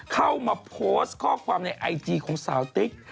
เข้ามาโพสต์ข้อความในไอจีของสาวติ๊ก